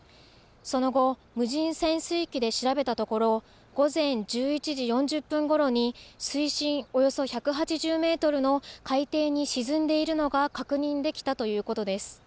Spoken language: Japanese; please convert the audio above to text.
その後、無人潜水機で調べたところ、午前１１時４０分ごろに水深およそ１８０メートルの海底に沈んでいるのが確認できたということです。